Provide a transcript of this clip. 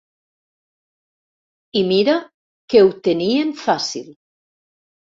I mira que ho tenien fàcil!